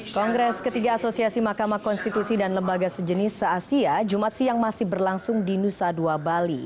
kongres ketiga asosiasi mahkamah konstitusi dan lembaga sejenis se asia jumat siang masih berlangsung di nusa dua bali